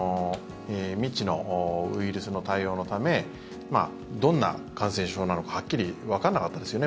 未知のウイルスの対応のためどんな感染症なのかはっきりわからなかったですよね